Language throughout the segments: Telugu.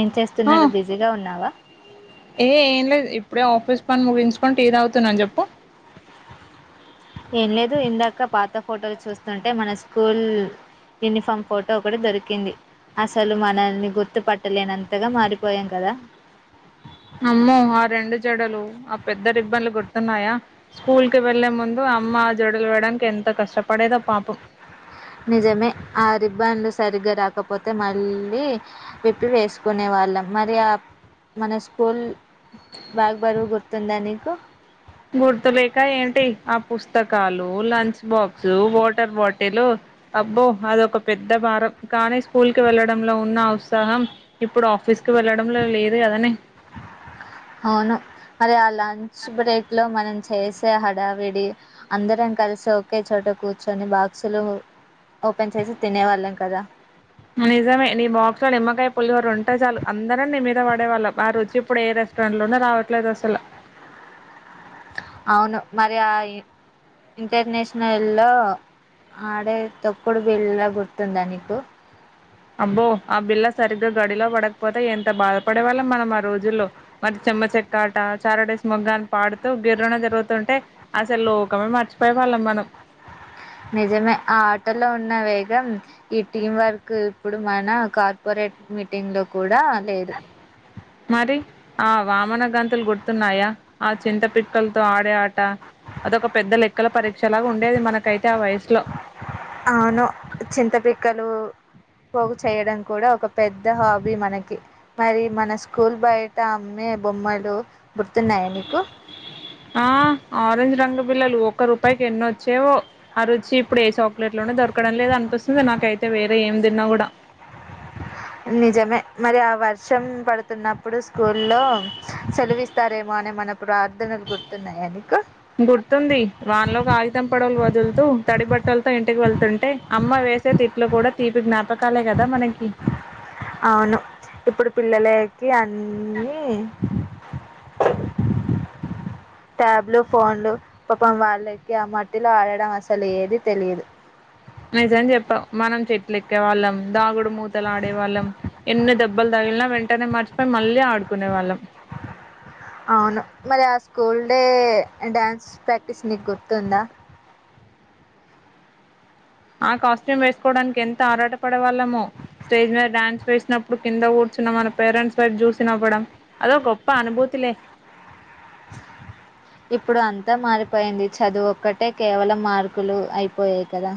ఏం ఆ చేస్తున్నారు బిజీగా ఉన్నావా ఏ ఏం లేదు ఇప్పుడే ఆఫీస్ పని ముగించుకుంటే ఏది అవుతున్నాను చెప్పు ఏం లేదు ఇందాక పాత ఫోటోలు చూస్తుంటే మన స్కూల్ యూనిఫామ్ ఫోటో ఒకటి దొరికింది అసలు మనల్ని గుర్తుపట్టలేనంతగా మారిపోయాం కదా అమ్మో ఆ రెండు జడలు ఆ పెద్ద ఇబ్బందులు గుర్తున్నాయా స్కూల్ కి వెళ్ళలే ముందు అమ్మ ఆ జడలు వేయడానికి ఎంత కష్టపడేదా పాపం నిజమే ఆ రిబ్బాన్లు సరిగ్గా రాకపోతే మళ్ళీ విప్పి వేసుకునే వాళ్ళం మరి ఆ మన స్కూల్ బ్యాగ్ బరువు గుర్తు దానికి గుర్తులేక ఏంటి ఆ పుస్తకాలు లంచ్ బాక్స్ వాటర్ బాటిల్ అబ్బో అదొక పెద్ద భారం కానీ స్కూల్ కి వెళ్ళడంలో ఉన్న ఉత్సాహం ఇప్పుడు ఆఫీస్ కు వెళ్ళడం లో లేదు కదనే అవును మరి ఆ లంచ్ బ్రేక్ లో మనం చేసే హడావిడి అందరం కలిసి ఒకే చోట కూర్చొని బాక్సులు ఓపెన్ చేసి తినేవాళ్ళం కదా నిజమే నీ బాక్స్ లో నిమ్మకాయ పులిహోర ఉంటే చాలు అందరం నీ మీద పడేవాళ్ళం అ రుచి ఇప్పుడు ఏ రెస్టారెంట్ లోనూ రావట్లేదు అసలు అవును మరి ఆ ఇ ఇంటర్నేషనల్లో ఆడే తొక్కుడు బీల్ల గుర్తుందా నీకు అబ్బో ఆ బిల్ల సరిగ్గా గడిలో పడకపోతే ఎంత బాధపడే వాళ్ళం మనం ఆ రోజుల్లో మరి చెమ్మ చెక్కాట చారటెసి మొగ్గాని పాడుతూ గిర్రున తిరుగుతుంటే అసలు లోకమే మర్చిపోయే వాళ్ళం మనం నిజమే ఆ ఆటలో ఉన్న వే ఈ టీం వర్క్ ఇప్పుడు మన కార్పొరేట్ మీటింగ్ లో కూడా లేదు మరి ఆ వామన గంతులు గుర్తున్నాయా ఆ చింత పిక్కలతో ఆడే ఆట అదొక పెద్ద లెక్కల పరీక్ష లాగా ఉండేది మనకైతే ఆ వయసులో అవును చింతపిక్కలు పోగు చేయడం కూడా ఒక పెద్ద హాబీ మనకి మరి మన స్కూల్ బయట అమ్మే బొమ్మలు గుర్తున్నాయయి నీకు ఆ ఆరెంజ్ రంగ పిల్లలు ఒక్క రూపాయికి ఎన్నో వచ్చేవో అ ర వచ్చి ఇప్పుడు ఏ చాక్లెట్ లోనే దొరకడం లేదు అనిపిస్తుంది నాకైతే వేరే ఏమి తిన్నా కూడా నిజమే మరి ఆ వర్షం పడుతున్నప్పుడు స్కూల్లో సెలవిస్తారేమో అనే మనప్పుడు ఆార్ధనలు గుర్తున్నాయనికు గుర్తుంది వాన్లోకి ఆగితం పొడవలు వదులుతూ తడి బట్టలతో ఇంటికి వెళ్తుంటే అమ్మ వేసే తిట్లు కూడా తీపి జ్ఞాపకాలే కదా మనకి అవును ఇప్పుడు పిల్లలే ఇ అన్నీ ట్యాబ్లు ఫోన్లు పాపం వాళ్ళకి ఆ మట్టిలో ఆడడం అసలు ఏది తెలియదు నిజం చెప్పావ్ మనం చెట్ల ఎక్కే వాళ్ళం దాగుడు మూతల ఆడేవాళం ఎన్న దెబ్బల్ తాగిలిన వెంట వెంటనే మర్చిపోయి మళ్ళీ ఆడుకునే వాళ్ళం అవును మరి ఆ స్కూల్ డే డ్యాన్స్ ప్రాక్టీస్ నీకు గుర్తుందా ఆ కాస్ట్యూమ్ వేసుకోవడానికి ఎంత ఆరాటపడే వాళ్ళమో స్టేజ్ మీద డ్యాన్స్ వేసినప్పుడు కింద కూర్చున్న మన పేరెంట్స్ వైపు చూసినవ్వడం అదో గోప్ప అనుభూతి లే ంత మారిపోయింది చదువు ఒక్కటే కేవలం మార్కులు అయిపోయాయి కదా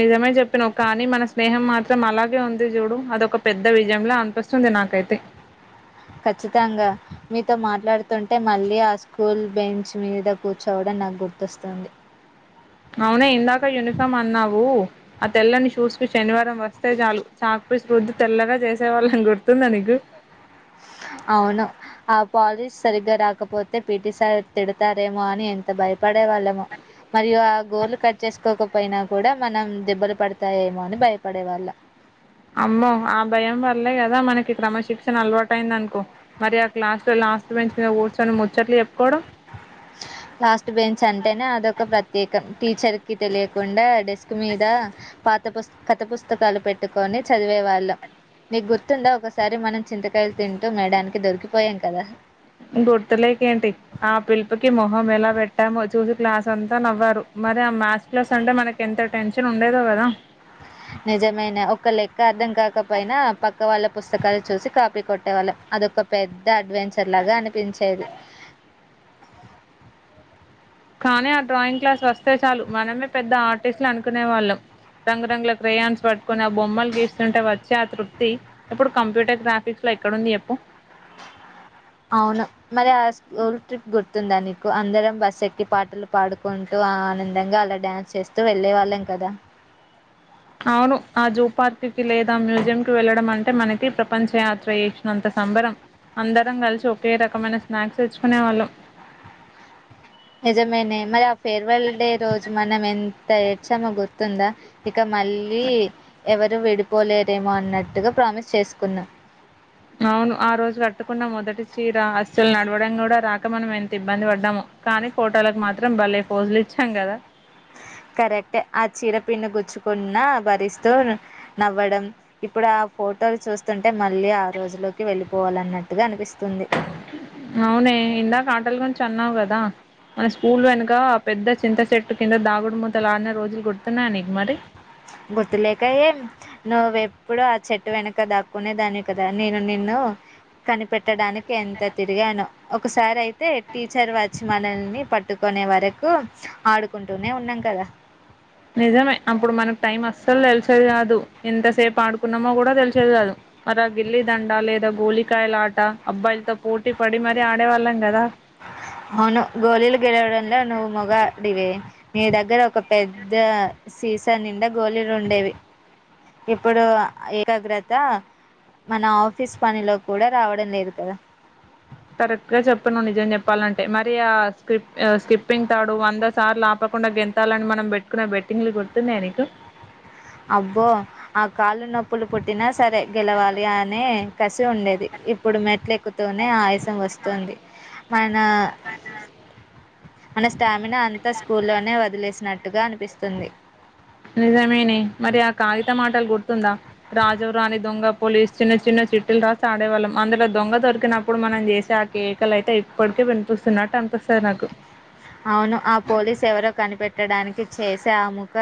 నిజమే చెప్పినావ్ కానీ మన స్నేహం మాత్రం అలాగే ఉంది చూడు అదొక పెద్ద విజయంలా అనిపిస్తుంది నాకైతే ఖచ్చితంగా మీతో మాట్లాడుతుంటే మళ్ళీ ఆ స్కూల్ బెంచ్ మీద కూర్చోవడం నాకు గుర్తొస్తుంది అవునే ఇందాక యూనిఫామ్ అన్నావు ఆ తెల్లని షూస్ కు శనివారం వస్తే చాలు చ రుద్ది తెల్లగా చేసే వాళ్ళం గుర్తుందా నీకు అవును ఆ పాలీస్ సరిగ్గా రాకపోతే పిటిసార్ తిడతారేమో అని ఎంత భయప పడే వాళ్ళమొ మరియు ఆ గోళ్లు కట్ చేసుకోకపొ పైనా కూడా మనం దెబ్బలు పడతాయేమో అని భయపడే వాళ్ళం అమ్మో ఆ భయం వర్లే కదా మనకి క్రమశిక్షణ అలవాటు అయింది అనుకో మరి ఆ క్లాస్ లో లాస్ట్ పెంచి కూర్చొని ముచ్చట్లు చెప్పుకోవడం లాస్ట్ బెంచ్ అంటేనే అదొక ప్రత్యేకం టీచర్ కి తెలియకుండా డెస్క్ స్క్ మీద పాత పుస్ కథ పుస్తకాలు పెట్టుకొని చదివేవాళ్ళం నీకు గుర్తుందా ఒకసారి మనం చింతకాయలు తింటూ మేడానికి దొరికిపోయాం కదా గుర్తులేకేంటి ఆ పిలుపుకి మొహం ఎలా పెట్టామో చూసి క్లాస్ అంతా నవ్వారు మరి ఆ మ్యాస్ నిజమేనే ఒక లెక్క అర్థం కాకపోయినా పక్క వాళ్ళ పుస్తకాలు చూసి కా పి కొట్టేవాళ్ళం అదొక పెద్ద అడ్వెంచర్ లాగా అనిపించేది కానీ ఆ డ్రాయింగ్ క్లాస్ వస్తే చాలు మనమే పెద్ద ఆర్టిస్ట్లు అనుకునే వాళ్ళం రంగురంగుల క్రెయాన్స్ పట్టుకుని ఆ బొమ్మలు గీస్తుంటే వచ్చే ఆ తృప్తి తి ఇప్పుడు కంప్యూటర్ గ్రాఫిక్స్ లో ఎక్కడుంది చెప్పు అవును మరి ఆ స్కూల్ ట్రిప్ గుర్తుందా నీకు అందరం బస్ ఎక్కి పాటలు పాడుకుంటూ ఆనందంగా అలా డ్యాన్స్ చేస్తూ వెళ్ళే వాళ్ళం కదా అవును ఆ జూ పార్క్కిి లేదా మ్యూజియంకిి వెళ్ళడం అంటే మనకి ప్రపంచ యాత్ర చేసినంత సంబరం అందరం కలిసి ఒకే రకమైన స్నాక్స్ తెచ్చుకునే వాళ్ళం నిజమేనే మరి ఫేర్వెల్ డే రోజు మనం ఎం త ఏడ్చామో గుర్తుందా ఇక మళ్ళీ ఎవరు విడిపోలేరేమో అన్నట్టుగా ప్రామిస్ చేసుకున్నాం అవును ఆ రోజు కట్టుకున్న మొదటి చీర అస్సలు నడవడం కూడా రాక మనం ఎంత ఇబ్బంది పడ్డాము కానీ ఫోటో లకు మాత్రం భలే పోజులు ఇచ్చాం కదా కరెక్ట్ ఏ ఆ చీర పిన్ను గుచ్చుకున్నా భరిస్తూ నవ్వడం ఇప్పుడు ఆ ఫోటోలు చూస్తుంటే మళ్ళీ ఆ రోజులోకి వెళ్ళిపోవాలన్నట్టుగా అనిపిస్ అవునే ఇందాకాటలు గుంచి అన్నావు క ద మన స్కూల్ వెనుక పెద్ద చింత చెట్టు కింద దాగుడు మూతలాడిన రోజులు గుడుతున్నాయ న మరి గుర్తులేకయేం నువ్వ ఎప్పుడు ఆ చెట్టు వెనక దాక్కునేదానివి కదా నేను నిన్ను కనిపెట్టడానికి ఎంత తిరిగాను ఒకసారి అయితే టీచర్ వచ్చి మనల్ని పట్టుకునే వరకు ఆడుకుంటూనే ఉన్నాం కదా నిజమే అప్పుడు మనకు టైం అస్సలు తెలిసేది కాదు ఎంతసేపు ఆడుకున్నామో కూడా తెలిసేది కాదు మరి గిల్లిదండ లేదా గోలికాయల ఆట అబ్బాయిలతో పోటీ పడి మరీ ఆడేవాళ్ళం కదా అవును గోళీలు గెలవడంలో నువ్వు మొగడివే నీ దగ్గర ఒక పెద్ద సీసా నిండ గోళలు ఉండేవి ఇప్పుడు ఏకాగ్రత మన ఆఫీస్ పనిలో కూడా రావడం లేదు కదా కరెక్టుగా చెప్తున్నావ్ నిజం చెప్పాలంటే మరి ఆ స్కి స్కిప్పింగ్ తాడు వంద సార్లు ఆపకుండా గెంతాలని మనం పెట్టుకునే బెట్టింగ్లు గుర్తున్నాయా నీకు అబ్బో ఆ కాళ్ళు నొప్పులు పుట్టిన సరే గెలవాలి అనే కసి ఉండేది ఇప్పుడు మెట్ల ఎక్కుతూనే ఆయాసం వస్తుంది మన మన స్టామినా అంతా స్కూల్లోనే వదిలేసినట్టుగా అనిపిస్తుంది నిజమేనే మరి ఆ కాగిత మాటలు గుర్తుందా రాజెవరాని దొంగ పోలీస్ చిన్న చిన్న చిట్టీలు రాసి ఆడేవాళ్ళం అందులో దొంగ దొరికినప్పుడు మనం చేసే ఆ కేకలు అయితే ఇప్పటికీ వినిపిస్తున్నట్టు అనిపిస్ అవును ఆ పోలీస్ ఎవరో కనిపెట్టడానికి చేసే ఆ ముఖ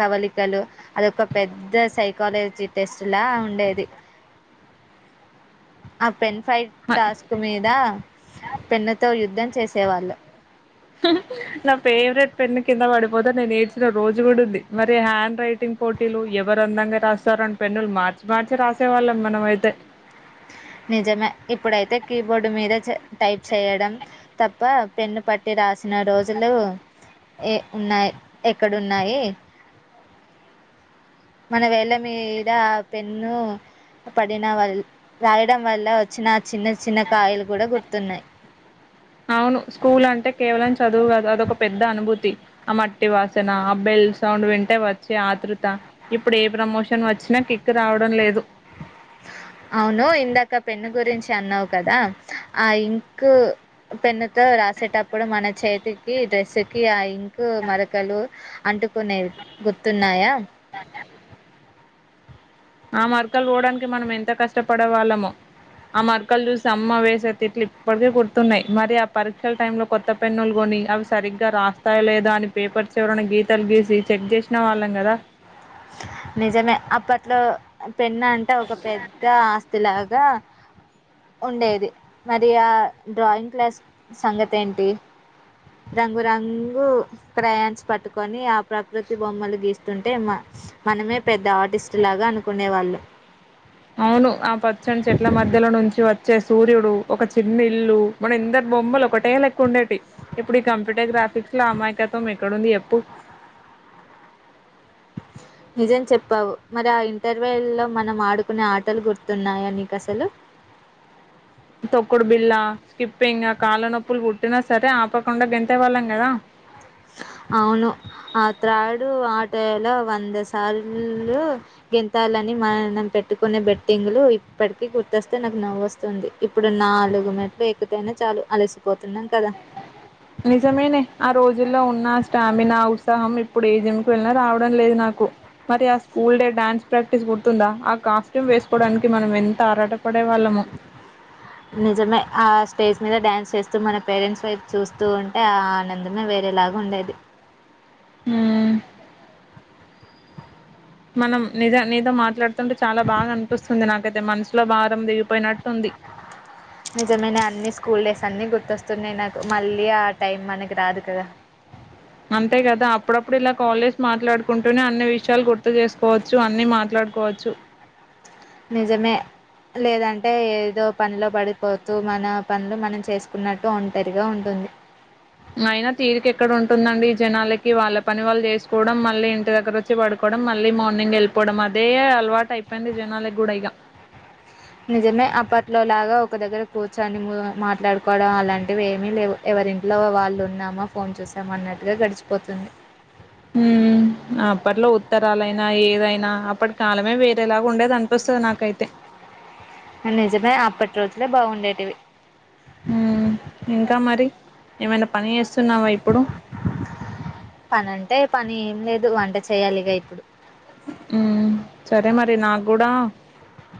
కవళికలు అదొక పెద్ద సైకాలజీ టెస్ట్లా ఉండేది అ పెన్ ఫైట్ మ- టాస్క్ మీద పెన్ను తో యుద్ధం చేస్ సేవాళ్ళు నా ఫేవరెట్ పెన్ను కింద పడిపోతే నేను ఏడ్చిన రోజు కూడా ఉంది మరి హ్యాండ్ రైటింగ్ పోటీలు ఎవరు అందంగా రాస్తారు అని పెన్నులు మార్చి మార్చి రాసే వాళ్ళం మనం అయితే నిజమే ఇప్పుడైతే కీబోర్డు మీద చే టైప్ చేయడం తప్ప పెన్ను పట్టి రాసిన రోజులు ఏ ఉన్నాయి ఎక్కడున్నాయి మన వేళ్ళ మీద ఆ పెన్ను పడిన వల్ రాయడం వల్ల వచ్చిన చిన్న చిన్న కాయలు కూడా గుర్తున్నాయి అవును స్కూల్ అంటే కేవలం చదువు కాదు అదొక పెద్ద అనుభూతి ఆ మట్టి వాసన ఆ బెల్ సౌండ్ వింటే వచ్చే ఆతృత ఇప్పుడు ఏ ప్రమోషన్ వచ్చినా కిక్ రావడం లేదు అవును ఇందాక పెన్ను గురించి అన్నావు కదా ఆ ఇంక్ పెన్నుతో రాసేటప్పుడు మన చేతికి డ్రెస్సు కి ఆ ఇంక్ క్ మరకలు అంటుకునేది గుర్తున్నాయా ధాన్య ఆ మరకలు పోవడానికి మనం ఎంత కష్టపడే వాళ్ళమో ఆ మరకలు చూసి అమ్మ వేసే తిట్లు ఇప్పటికే గుర్తున్నాయి మరి ఆ పరీక్షల టైమ్ లో కొత్త పెన్నులు కొని అవి సరిగ్గా రాస్తాయ లేదా అని పేపర్స్ ఎవరైనా గీతలు గీసి చెక్ చేసిన వాళ్ళం కదా నిజమే అప్పట్లో పెన్న అంటే ఒక పెద్ద ఆస్తి లా ద ఉండేది మరి ఆ డ్రాయింగ్ క్లాస్ సంగతి ఏంటి రంగురంగు క్రయన్స్ పట్టుకొని ఆ ప్రకృతి బొమ్మలు గీస్తుంటే మా మనమే పెద్ద ఆర్టిస్ట్ లాగా అనుకునే వాళ్ళు అవును ఆ పచ్చని చెట్ల మధ్యలో నుంచి వచ్ చ్చే సూర్యుడు ఒక చిన్న ఇల్లు మన ఇందరు బొమ్మలు ఒక టే లెక్కా ఉండేటి ఇప్పుడు ఈ కంప్యూటర్ గ ఇకులా అమాయకా త మీ ఇ కడ ఎప్పూ నిజం చెప్పావు మరి ఆ ఇంటర్వె లో మనం ఆడుకునే ఆటలు గుర్తున్నాయా నీకు అసలు తొక్కుడు బిళ్ళ స్కిప్పింగ్ కాళ్ళనొప్పులు కుట్టినా సరే ఆపకుండా గంటే వాళ్ళం కదా అవును ఆ త్రాడు ఆటలో వంద సార్లు గెంతాలని మనం పెట్టుకునే బెట్టింగులు ఇప్పటికిీ గుర్తొస్తే నాకు నవ్వుొస్తుంది ఇప్పుడు నాలుగు మెట్లు ఎక్కుతేైనా చాలు అలసిపోతున్నాం కదా నిజమేనే ఆ రోజుల్లో ఉన్న స్టామినా ఉత్సాహం ఇప్పుడు ఏ జింకి వెళ్ళినా రావడం లేదు నాకు మరి ఆ స్కూల్ డే డాన్స్ ప్రాక్టీస్ గుర్తుందా కాస్ట్యూమ్ వేసుకోవడానికి మనం ఎంత ఆరాట పడే వాళ్ళము నిజమే ఆ స్టేజ్ మీద డ్యాన్స్ చేస్తూ మన పేరెంట్స్ వైపు చూస్తూ ఉంటే ఆ ఆనందమే వేరేలాగా ఉండేది మ్ మనం నిజ నీతో మాట్లాడు టే చాలా బాగా అనిపిస్తుంది నాకైతే మనసు భారం దిగిపోయినట్టు నిజమే న అన్ని స్కూల్డెసి అ అన్నీ గుర్తొస్తున్నాయి నాకు మళ్ళీ ఆ టైం మనకి రాదు కదా అంతే కదా అప్పుడప్పుడు ఇలా కాల్ చేసి మాట్లాడుకుంటూనే అన్ని విషయాలు గుర్తు చేసుకోవచ్చు అన్ని మాట్లాడుకోవచ్చు నిజమే లేదంటే ఏదో పనిలో పడిపోతూ మన పనులు మనం చేసుకున్నట్టు ఒంటరిగా ఉంటుంది అయినా తీరిక ఎక్కడ ఉంటుందండి ఈ జనాలకి వాళ్ళ పని వాళ్ళు చేసుకోవడం మళ్ళీ ఇంటి దగ్గర వచ్చి పడుకోవడం మళ్ళీ మార్నింగ్ వెళ్ళిపోవడం అదే అలవాటు అయిపోయింది జనాలకి గూడ ఇక నిజమే అప్పట్లోలాగా ఒక దగ్గర కూర్చొని బో మాట్లాడుకోవడం అలాంటివి ఏమీ లేవు ఎవరింట్లో వాళ్ళు ఉన్నామా ఫోన్ చూసామా అన్నట్టుగా గడిచిపోతుంది ఆ ఏదైనా అప్పటి కాలమే వేరేలాగ ఉండేది అనిపిస్తుంది నాకైతే నిజమే అప్పటి రోజులే బాగుండేటివి హ్మ్ ఇంకా మరి ఏమైనా పనిచేస్త పని అంటే పని లేదు వంట చేయాలిగా ఇప్పుడు ఉ సరే మరి నాకు కూడా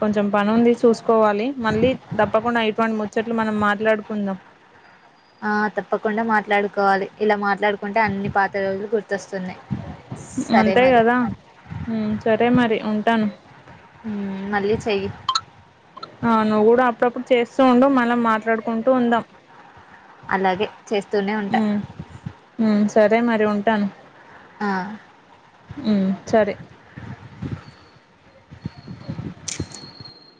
కొంచెం పని ఉంది చూసు కోవాలి మళ్ళీ తప్పకుండా ఇటువంటి ము చెట్లు మనం మాట్లాడుకుందాం ఆ తప్పకుండా మాట్లాడుకోవాలి ఇలా మాట్లాడుకుంటే అన్ని పాత రోజులు గుర్తొస్తున్నాయి సరే అంతే మరి కదా ఉమ్ సరే మరి ఉంటాను మళ్ళీ చెయ్య ఒసేయ్ ఉండు మనం మాట్లాడుకుంటూ ఉందాం అలాగే చేస్తూనే ఉంటా హ్మ్ హ్మ్ సరే అదే మరి ఉంటాను ఆ హ్మ్ సరే